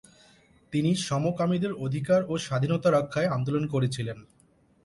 তিনি সমকামীদের অধিকার ও স্বাধীনতা রক্ষায় আন্দোলন করেছিলেন।